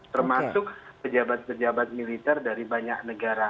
termasuk pejabat pejabat militer dari banyak negara